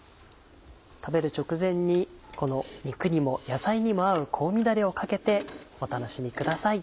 食べる直前に肉にも野菜にも合う香味だれをかけてお楽しみください。